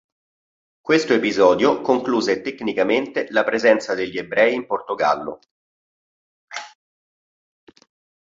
Questo episodio concluse tecnicamente la presenza degli ebrei in Portogallo.